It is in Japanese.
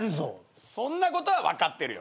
そんなことは分かってるよ。